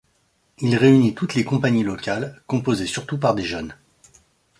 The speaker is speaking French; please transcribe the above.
Il réunit toutes les compagnies locales, composées surtout par des jeunes.